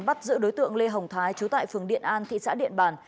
bắt giữ đối tượng lê hồng thái chú tại phường điện an thị xã điện bản